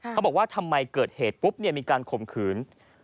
เขาบอกว่าทำไมเกิดเหตุปุ๊บมีการข่มขืน